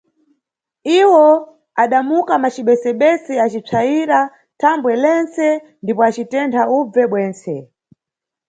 Iwo adamuka macibesebese acipsayira thambwe lentse ndipo acitentha ubve bwentse.